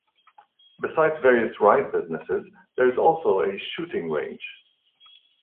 Besides various ride businesses there is also a shooting range.